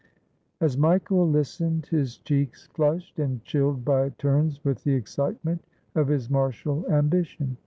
As Michael listened, his cheeks flushed and chilled by turns with the excitement of his martial ambition.